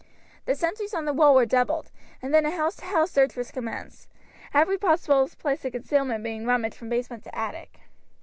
The sentries on the wall were doubled, and then a house to house search was commenced, every possible place of concealment being rummaged from basement to attic.